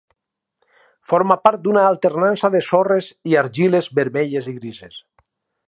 Forma part d'una alternança de sorres i argiles vermelles i grises.